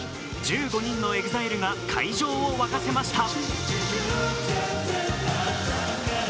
１５人のＥＸＩＬＥが会場を沸かせました